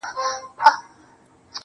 زه مي له ژونده په اووه قرآنه کرکه لرم~